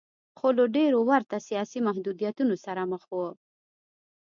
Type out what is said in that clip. خو له ډېرو ورته سیاسي محدودیتونو سره مخ و.